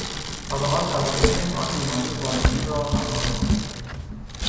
تا به حال توانستهایم آن بیماری واگیر را مهار کنیم.